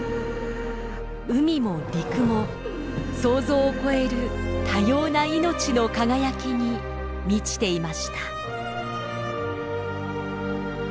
海も陸も想像を超える多様な命の輝きに満ちていました。